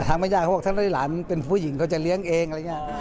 ไม่ยากเขาบอกถ้าหลานเป็นผู้หญิงเขาจะเลี้ยงเองอะไรอย่างนี้